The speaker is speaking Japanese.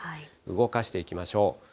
動かしていきましょう。